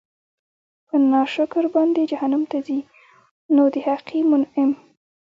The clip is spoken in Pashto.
په ناشکر باندي جهنّم ته ځي؛ نو د حقيقي مُنعِم